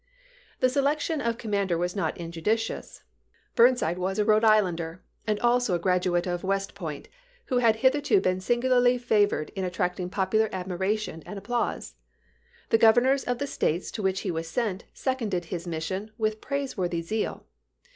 The selection of commander was not injudicious ; Vol. v.— 16 242 ABRAHAM LINCOLN cu.vr. XIV. Buruside was a Ehode Islander and also a graduate of West Point, who had hitherto been singularly favored in attracting popular admiration and ap plause. The Governors of the States to which he was sent seconded his mission with praiseworthy zeal.